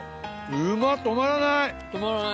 うまっ止まらない。